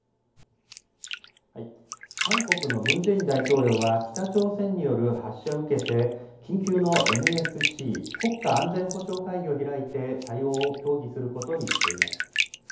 韓国のムン・ジェイン大統領は北朝鮮による発射を受けて緊急のＮＳＣ・国家安全保障会議を開いて対応を協議することにしています。